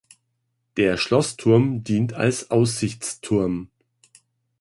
Der Schlossturm dient als Aussichtsturm.